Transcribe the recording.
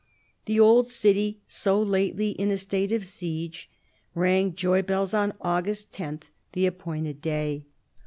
The old city, so lately in a stage of siege, rang joy bells on August 10, the appointed day.